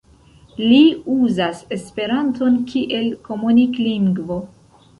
Li uzas esperanton kiel komunik-lingvo.